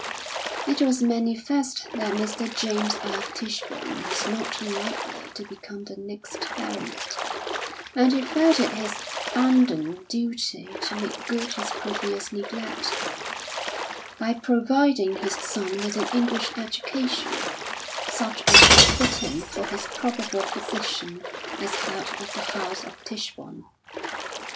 It was manifest that Mr. James F. Tichborne was not unlikely to become the next baronet, and he felt it his bounden duty to make good his previous neglect, by providing his son with an English education, such as would fit him for his probable position as head of the house of Tichborne.